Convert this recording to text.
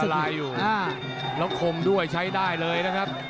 แล้วคมด้วยใช้ได้เลยนะครับ